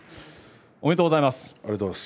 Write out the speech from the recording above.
ありがとうございます。